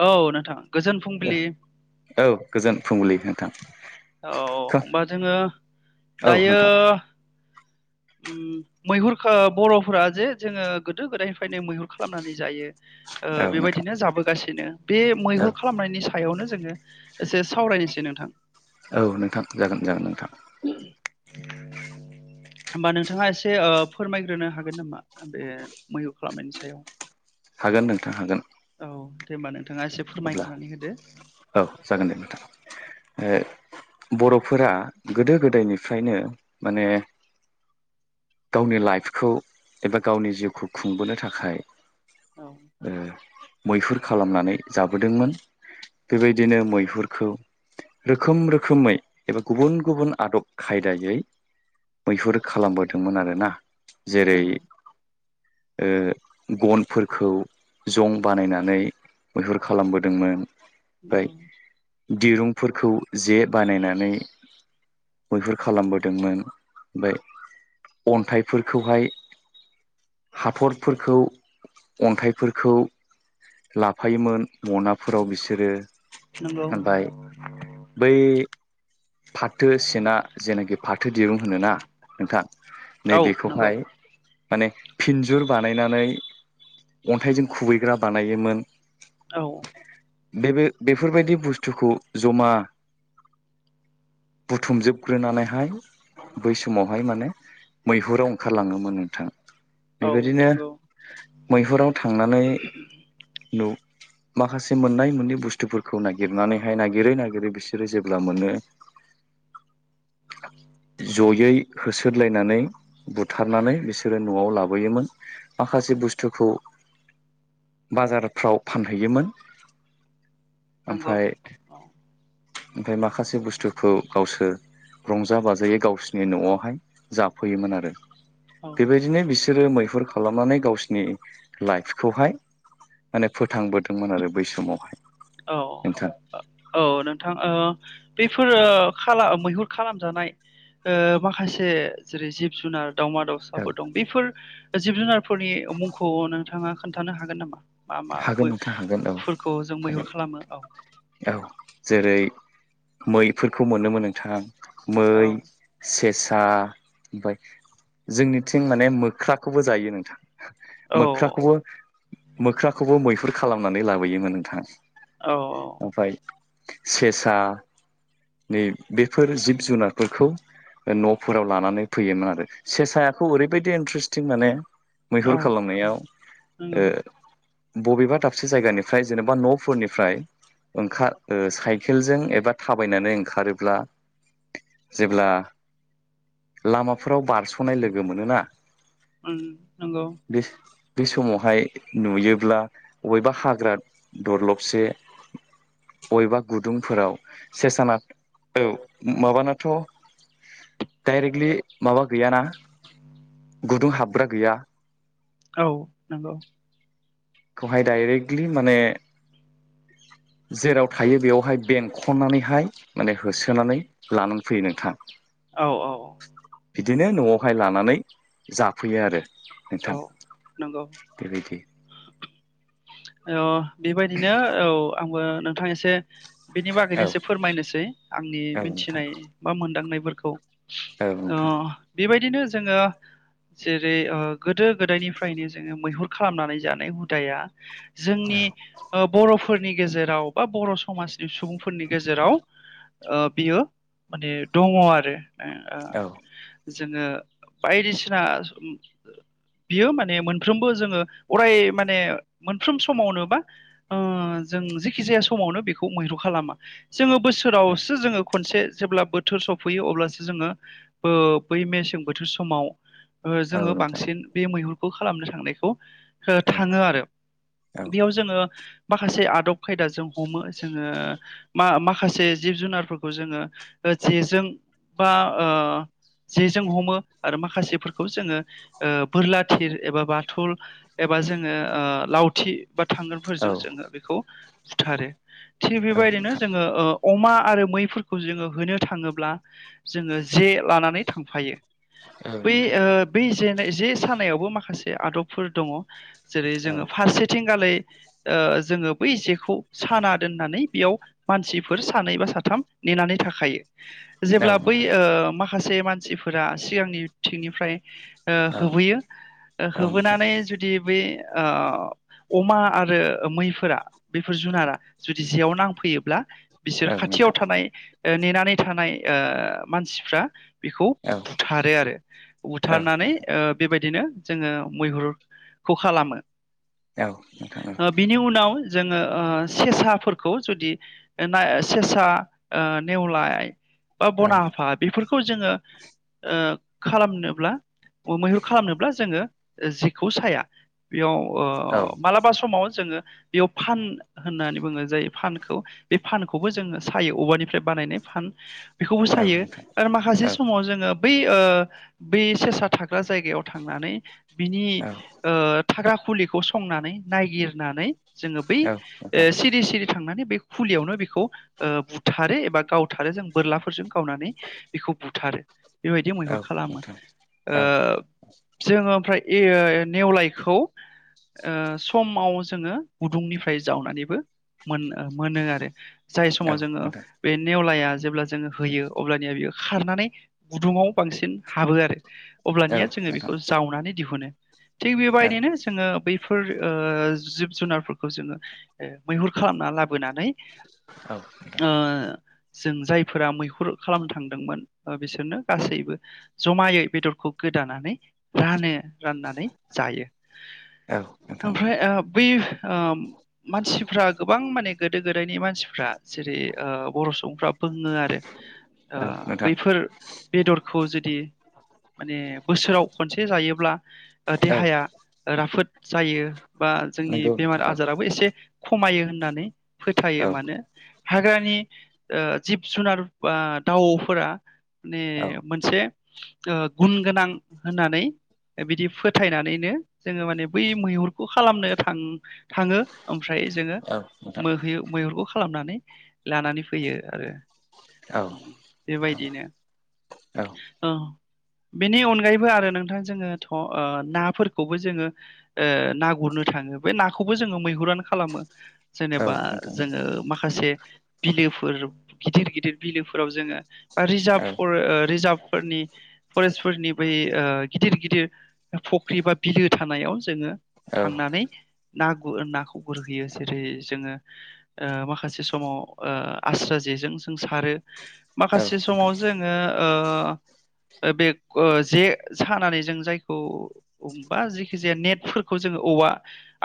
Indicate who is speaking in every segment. Speaker 1: औ नोंथां गोजोन फुंबिलि
Speaker 2: औ गोजोन फुंबिलि नोंथां।
Speaker 1: औ होमबा जोङो
Speaker 2: औ
Speaker 1: दायो।
Speaker 2: नोंथां
Speaker 1: मैहुर खो बर'फोरा जे जोङो गोदो गोदायनिफ्रायनो मैहुर खालामनानै जायो
Speaker 2: औ
Speaker 1: आ
Speaker 2: नोंथां
Speaker 1: बेबायदिनो जाबोगासिनो। बिदिनो। बे
Speaker 2: औ
Speaker 1: मैहुर खालामनायनि सायावनो। जोङो एसे सावरायनोसै नोंथां।
Speaker 2: औ नोंथां जागोन जागोन नोंथां
Speaker 1: होमबा नोंथाङा ओ एसे फोरमायग्रोनो हागोन नामा बे मैहुर खालामनायनि सायाव।
Speaker 2: हागोन नोंथां हागोन।
Speaker 1: औ दे होनबानों।
Speaker 2: अब्ला औ जागोन दे नोंथां। बर'फोरा गोदो गोदायनिफ्रायनो माने गावनि लाइफखौ एबा गावनि जिउखौ खुंबोनो थाखाय
Speaker 1: औ
Speaker 2: ओ। मैहुर खालामनानै। जाबोदोंमोन बेबायदिनो मैहुरखौ रोखोम-रोखोमै एबा गुबुन-गुबुन आदब खायदायै मैहुर खालामबोदोंमोन आरोना। जेरै
Speaker 1: नंगौ
Speaker 2: ओ गनफोरखौ जं बानायनानै। मैहुर खालामबोदोंमोन। ओमफ्राय
Speaker 1: नंगौ।
Speaker 2: दिरुंफोरखौ जे बानायनानै मैहुर खालामबोदोंमोन ओमफ्राय अन्थाइफोरखौहाय हाथरफोरखौ अन्थाइफोरखौ ला फायोमोन।
Speaker 1: औ
Speaker 2: मनाफोराव बिसोरो
Speaker 1: नंगौ
Speaker 2: ओमफ्राय बै फाथो सेना जेनाखि फाथो दिरुं होनोना नोंथां।। नै
Speaker 1: औ नंगौ
Speaker 2: बेेखौहाय। माने फिन्जुर बानायनानै अन्थाइजों खुबैग्रा बानायोमोन।
Speaker 1: औ
Speaker 2: बे-बे बेफोरबायदि बुस्थुखौ जमा बुथुमजोबग्रोनानैहाय बै समावहाय माने मैहुराव ओंखारलाङोमोन नोंथां।
Speaker 1: औ
Speaker 2: बेबायदिनो।
Speaker 1: नंगौ
Speaker 2: मैहुराव। थांनानै न' माखासे मोननाय मोननै बुस्थुफोरखौ नागिरनानैहाय नागिरै-नागिरै बिसोरो जेब्ला मोनो जयै होसोरलायनानै बुथारनानै बिसोरो न'आव लाबोयोमोन माखासे बुस्थुखौ बाजारफ्राव। फानहैयोमोन।
Speaker 1: नंगौ
Speaker 2: ओमफ्राय
Speaker 1: औ।
Speaker 2: ओमफ्राय माखासे बुस्थुखौ गावसोर रंजा बाजायै गावसोरनि न'आवहाय जाफैयोमोन आरो।
Speaker 1: औ
Speaker 2: बेबायदिनो बिस सोरो मैहुर खालामनानै गावसिनि लाइफखौहाय माने फोथांबोदोंमोन आरो बै समावहाय
Speaker 1: औ
Speaker 2: नोंथां
Speaker 1: औ नोंथां ओ बेफोरो
Speaker 2: औ
Speaker 1: खाब फा मैहुर खालामजानाय ओ माखासे जेरै जिब जुनार दावमा
Speaker 2: औ
Speaker 1: दाउसाफोर दं बेफोर जिब जुनार फोरनि मुंखौ नोंथांङा खोन्थानो हागोन नामा मा मा
Speaker 2: हागोन
Speaker 1: बो
Speaker 2: नोंथां हागोन औ
Speaker 1: फोरखौ जों मैहुर
Speaker 2: हागोन
Speaker 1: खालामो औ
Speaker 2: औ जेरै मैफोरखौ मोनोमोन नोंथांङा मै
Speaker 1: औ
Speaker 2: सेस सा ओमफाय जोंनिथिं माने मोख्राखौबो जायो नोंथां
Speaker 1: औ
Speaker 2: मोख्राखौबो मोख्राखौबो मैहुर खालामनानै लाबोयोमोन नोंथां
Speaker 1: औ
Speaker 2: ओमफ्राय सेसा नि बेफोर जिब जुनारफोरखौ न'फोराव लानानै फैयोमोन आरो सेसायाखौ ओरैबायदि इन्ट्रेस्टिं माने मैहुर
Speaker 1: औ
Speaker 2: खालामनायाव
Speaker 1: नंगौ
Speaker 2: ओ बबेबा दाबसे जायगानिफ्राय जेनेबा न'फोरनिफ्राय ओंखा ओ साइकेलजों एबा थाबायनानै ओंखारोब्ला जेब्ला लामाफोराव बारस'नाय लोगो मोनोना
Speaker 1: उम नंगौ
Speaker 2: बे बे समावहाय नुयोब्ला अबेबा हाग्रा दरलबसे अबेबा गुदुंफोराव से साना औ माबानाथ' डाइरेक्टलि माबा गैयाना गुदुं हाबग्रा गैया
Speaker 1: औ नंगौ
Speaker 2: खौहाय डाइरेक्टलि माने जेराव थायो बेयावहाय बेंखननानैहाय माने होसोनानै लानानै फैयो नोंथां
Speaker 1: औ औ
Speaker 2: बिदिनो न'आवहाय लानानै जाफैयो आरो
Speaker 1: औ
Speaker 2: नोथां
Speaker 1: नंगौ
Speaker 2: बेबायदि
Speaker 1: औ बेबायदिनो औ आं बो नोंथां एसे बेनि बागैनो
Speaker 2: औ
Speaker 1: एसे फोरमायनोसै आंनि
Speaker 2: औ नोंथां
Speaker 1: मिथिनाय बा मोनदांनाय फोरखौ
Speaker 2: औ
Speaker 1: अ
Speaker 2: नोंथां
Speaker 1: बेबाय बिदिनो जोङो जेरै ओ गोदो गोदायनिफ्रायनो जोङो मैहुर खालामनानै जानाय हुदाया
Speaker 2: औ
Speaker 1: जोंनि ओ बर'फो फोरनि गेजेराव बा बर समाज सुबुंफोरनि गेजेराव ओ बियो माने दङ आरो
Speaker 2: औ
Speaker 1: [unintelligible] जोङो बायदिसिना बियो माने मोनफ्रोमबो जोङो अराय माने मोनफ्रोम समावनो बा ओ जों जेखि जाया समावनो बेखौ मैहरु खालामा जोङो बोसोरावसो जोङो खनसे जेब्ला बोथोर सफैयो अब्लासो जोङो बो बै मेसें बोथोर समाव ओ
Speaker 2: औ
Speaker 1: जोङो बां
Speaker 2: नोंथां
Speaker 1: बे मैहुरखौ खालामनो थांनायखौ
Speaker 2: औ
Speaker 1: थाङो आरो बेयाव जोङो माखासे आदब खायदाजों हमो जोङो मा मा माखासे जिब जुनारफोरखौ जोङो ओ जेजों बा ओ जेजों हमो आरो माखासेफोरखौ जोङो ओ बोरला थिर एबा बाथल एबा जोङो ओ लावथि बा
Speaker 2: औ औ
Speaker 1: थांगोनफोरजों
Speaker 2: नोंथां
Speaker 1: जोङो बेखौ बुथारो थिग बेबायदिनो जोङो ओ अमा आरो मैफोरखौ जोङो होनो थाङोब्ला जोङो जे लानानै थांफायो
Speaker 2: औ
Speaker 1: बै ओ
Speaker 2: नोंथां
Speaker 1: बै जे सानायावबो माखासे आदबफोर दङ जेरै
Speaker 2: औ
Speaker 1: जोङो फारसेथिंगालै ओ जोङो बै जेखौ साना दोननानै बेयाव मानसिफोर सानै बा साथाम नेनानै थाखायो
Speaker 2: औ नोंथां औ नोंथां औ नोंथां औ नोंथां औ नोंथां औ नोंथां औ नोंथां औ नोंथां औ नोंथां औ नोंथां औ
Speaker 1: जेब्ला बै ओ माखा माखासे मानसिफोरा सिगांनि थिंनिफ्राय ओ होबोयो ओ
Speaker 2: नोंथां
Speaker 1: होबोनानै जुदि बे ओ अमा आरो मैफोरा बेफोर जुनारा जुदि जेयाव नांफैयोब्ला। बिसोर खाथियाव थानाय नेनानै थानाय मानसिफ्रा बेखौ बुथारो आरो बुथारनानै बेबायदिनो जोङो मैहुरखौ खालामो। बिनि उनाव जोङो सेसाफोरखौ जुदि सेसा नेवलाय बा बना हफा बेफोरखौ जोङो। खालामनोब्ला। मैहुर खालामनोब्ला जोङो जेखौ साया बेयाव मालाबा समाव जोङो। बेयाव फान होननानै बुङो जायो फानखौ बे फानखौबो जोङो सायो औवानिफ्राय बानायनाय फान बेखौबो सायो आरो माखासे समाव जोङो बै बे सेसा थाग्रा जायगायाव थांनानै बिनि ओ थाग्रा खुलिखौ संनानै नायगिरनानै। जोङो बै सिरि सिरि थांनानै बे खुलियावनो बेखौ बुथारो एबा गावथारो जों बोरलाफोरजों गावनानै बेखौ बुथारो। बेबायदि मैहुर खालामो। जों ओमफ्राय नेवलायखौ समाव जोङो गुदुंनिफ्राय जावनानैबो मोन मोनो आरो। जाय समाव जोङो बे नेवलाया जेब्ला जोङो होयो अब्लानिया बेयो खारनानै गुदुङाव बांसिन हाबो आरो। अब्लानिया जोङो बेखौ जावनानै दिहुनो। थिग बेबायदिनो जोङो बै बेफोर जिब जुनारफोरखौ जोङो मैहुर खालामना लाबोनानै।
Speaker 2: औ।
Speaker 1: ओ जों जायफोरा मैहुर खालामनो थांदोंमोन बिसोरनो गासैबो जमायै बेदरखौ गोदानानै रानो। राननानै जायो ओमफ्राय बै ओ मानसिफ्रा गोबां माने गोदो गोदायनि मानसिफ्रा जेरै ओ बर' सुबुंफ्रा बुङो आरो
Speaker 2: औ नोंथां
Speaker 1: बैफोर बेदरखौ जुदि माने बोसोराव खनसे जायोब्ला देहाया
Speaker 2: औ
Speaker 1: राफोद जायो बा जोंनि
Speaker 2: नंगौ
Speaker 1: बेमार
Speaker 2: नोंथां औ
Speaker 1: आजाराबो एसे खमायो होननानै फोथायो
Speaker 2: औ
Speaker 1: मानो हाग्रानि ओ जिब जुनार दाउफोरा माने
Speaker 2: औ
Speaker 1: मोनसे ओ गुन गोनां होननानै बिदि फोथायनानैनो जोङो माने बै मैहुरखौ खालामनो थां थांङो ओमफ्राय जोंङो
Speaker 2: औ नोंथां
Speaker 1: मोहु-मैहुरखौ खालामनानै लानानै फैयो आरो
Speaker 2: औ नोंथां
Speaker 1: बेबायदिनो
Speaker 2: औ
Speaker 1: बेनि अनगायैबो आरो नोंथां जोङो थ' ओ नाफोरखौबो जोङो ओ ना गुरनो थांङो बे नाखौबो जोङो मैहुरान खालामो।
Speaker 2: औ
Speaker 1: जेनेबा
Speaker 2: नोंथां
Speaker 1: जोङो माखासे बिलोफोर गिदिर गिदिर बिलोफोराव जोंङो बा
Speaker 2: औ
Speaker 1: रिजार्भफोर ओ रिजार्भफोरनि फरेस्टफोरनि बै ओ गिदिर गिदिर फख्रि बा बिलो थानायाव जोंङो
Speaker 2: औ
Speaker 1: थांनानै ना गु नाखौ गुरहैयो जेरै जोङो ओ माखासे समाव आस्रा जेजों जों सारो
Speaker 2: औ
Speaker 1: माखासे समाव जोंङो ओ बे जे सानानै जों जायखौ बा जेखि जाया नेटफोरखौ जोङो औवा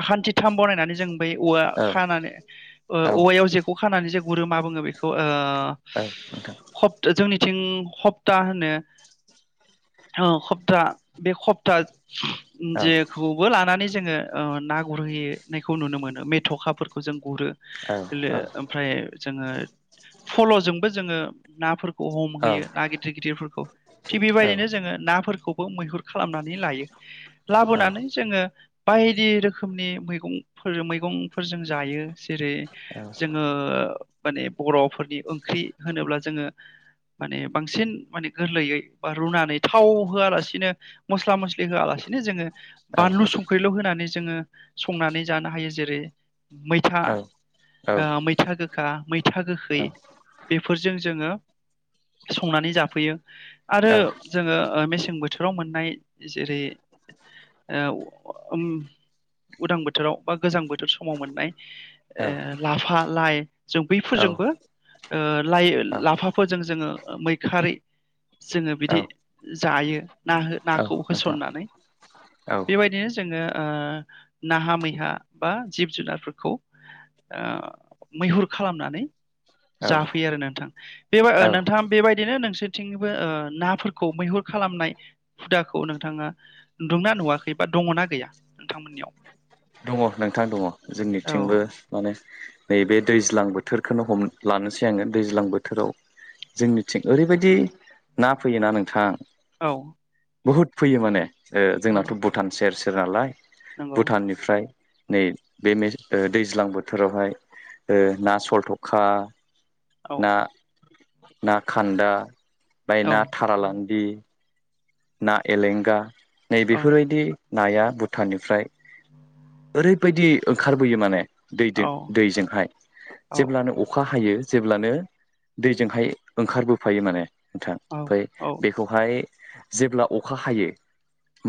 Speaker 1: आखान्थि थाम बनायनानै जों फाय औवा
Speaker 2: औ
Speaker 1: खानानै
Speaker 2: औ नोंथां औ
Speaker 1: औवायाव जेखौ खानानै गुरो मा बुङो बेखौ ओ [unintelligible] जोंनि थिं हप्ता होनो हो हप्ता बे हप्ता जेखौबो लानानै जों जोङो ओ ना गुरहैनायखौ नुनो मोनो मेथ'खाफोरखौ जों गुरो ओमफ्राय जोंङो फल'जोंबो जोङो नाफोर बम होयो ना गिदिर गिदिरफोरखौ थिग बेबायदिनो जोंङो ना फोरफोरखौबो मैहुर खालामनानै लायो लाबोनानै जोंङो बायदि रोखोमनि मैगंफोर मैगंफोरजों जायो जेरै जोङो माने बर'फोरनि ओंख्रि होनोब्ला जोङो माने बांसिन माने गोरलैयै बा रुनानै थाव होआलासिनो मस्ला मस्लि होआलासिनो जोङो बानलु संख्रिल' होनानै जोङो संनानै जानो हायो जेरै मैथा
Speaker 2: औ नोंथां औ
Speaker 1: मैथा गो खा मै था गोखै
Speaker 2: औ
Speaker 1: बे फोरजों जोङो संनानै जाफैयो आरो जोङो मेसें बो थोराव मोननाय जेरै ओ उदां बोथोराव बा गोजां बो र समाव मोननाय लाफा लाइ जों बैफोरजोंबो लाइ लाफाफोरजों जोङो मैखारि जोङो बिदि जायो ना नाखौ होसननानै बेबायदिनो जोङो ओ नाहा मैहा बा जिब जुनारफोरखौ मैहुर खालामनानै जाफैयो आरो नोंथां बे नोंथाङा बेबायदिनो नोंसोर थिं नाफोरखौ मैहुर खालामनाय हुदाखौ नोंथाङा नुन्दुंना नुवाखै बा दङना गैया नोंथांमोननियाव
Speaker 2: दङ नोंथां दङ
Speaker 1: औ
Speaker 2: जोंनिथिंबो माने नैबे दैज्लां बोथोरखौनो हम लानोसै आङो दैज्लां बोथोराव जोंनिथिं ओरैबायदि ना फैयोना नोंथां
Speaker 1: औ
Speaker 2: बहुत फैयो माने ओ
Speaker 1: नंगौ
Speaker 2: जोंनाथ' भुटान सेर सेेर सो नालाय
Speaker 1: नंगौ
Speaker 2: भुटाननिफ्राय नै बे मे ओ दैज्लां बोथोरावहाय ओ ना सलथखा
Speaker 1: औ
Speaker 2: ना ना खान्दा ओमफाय
Speaker 1: औ
Speaker 2: ना थारालान्दि ना एलेंगा नै
Speaker 1: औ
Speaker 2: बेफोरबायदि नाया भुटाननिफ्राय ओरैबायदि ओंखारबोयो माने दैदो
Speaker 1: औ
Speaker 2: दैजोंहाय
Speaker 1: औ
Speaker 2: जेब्लानो अखा हायो जेब्लानो दैजोंहाय ओंखारबोफायो माने नोंथां
Speaker 1: औ
Speaker 2: ओमफ्राय बेखौहाय [inaudible] जेब्ला अखा हायो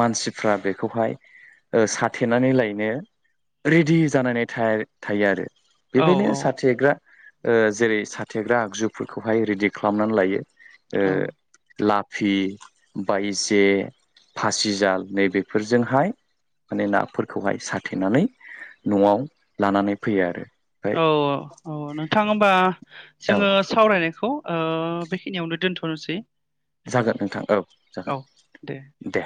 Speaker 2: मानसिफ्रा बेखौहाय साथेनानै लायनो रेडि जानानैथायर थायो आरो बेखायनो साथेेग्रा ओ जेरै साथेग्रा आगजुफोरखौहाय रेडि खालामनानै लायो
Speaker 1: औ
Speaker 2: ओ ला फि बायजे फासिजाल नैबेफोरजोंहाय माने नाफोरखौहाय साथेनानै नआव लानानै फैयो आरो ओमफ्राय
Speaker 1: औ औ नोंथां होमबा
Speaker 2: औ
Speaker 1: जोंङो सावरायनायखौ ओ बेखिनियावनो दोनथनोसै
Speaker 2: जागोन नोंथां औ जागोन दे